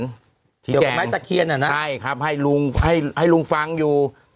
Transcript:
เกี่ยวกับแม่ตะเคียนอ่ะนะใช่ครับให้ลุงฟังอยู่